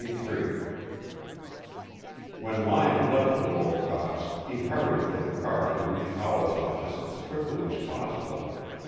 CHAPTER XXIII When Lyon left the Wolcotts, he hurried for the car to reach Howell's office as quickly as possible.